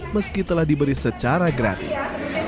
meski telah diberi secara gratis